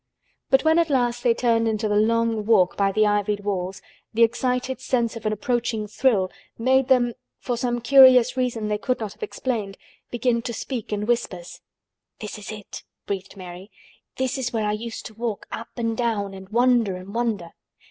But when at last they turned into the Long Walk by the ivied walls the excited sense of an approaching thrill made them, for some curious reason they could not have explained, begin to speak in whispers. "This is it," breathed Mary. "This is where I used to walk up and down and wonder and wonder."